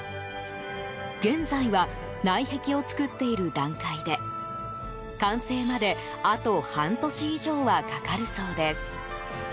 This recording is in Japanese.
現在は、内壁を作っている段階で完成まであと半年以上はかかるそうです。